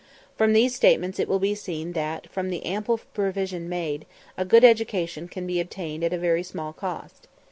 From these statements it will be seen that, from the ample provision made, a good education can be obtained at a very small cost.